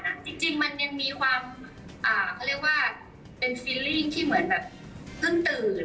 บรรยายแหละจริงมันยังมีความฟิลลิ่งที่แบบตื่น